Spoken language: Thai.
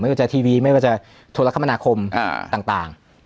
ว่าจะทีวีไม่ว่าจะโทรคมนาคมต่าง